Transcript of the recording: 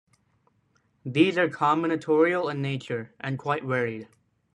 These are combinatorial in nature, and quite varied.